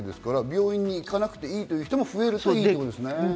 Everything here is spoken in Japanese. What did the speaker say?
病院に行かなくていい人も増えるということですね。